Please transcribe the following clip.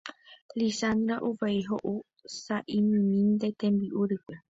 Lizandra uvei ho'u sa'imimínte tembi'u rykue